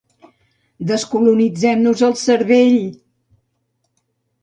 Descolonitzem-nos el cervell!